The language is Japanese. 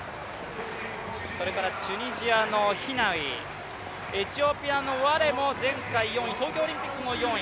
それからチュニジアのヒナウイ、エチオピアのワレも前回４位、東京オリンピックも４位。